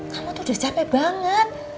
kamu tuh udah capek banget